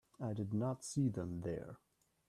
I did not see them there.